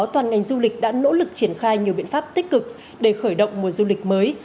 toàn ngành du lịch đã nỗ lực triển khai nhiều biện pháp tích cực để khởi động mùa du lịch mới